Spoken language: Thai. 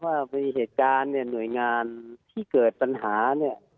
ว่าในเหตุการณ์เนี่ยหน่วยงานที่เกิดปัญหาเนี่ย